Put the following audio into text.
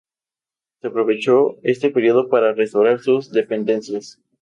Se aprovechó este periodo para restaurar sus dependencias.